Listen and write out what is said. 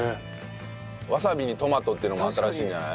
わさびにトマトってのも新しいんじゃない？